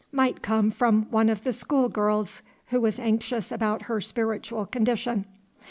Might come from one of the school girls who was anxious about her spiritual condition.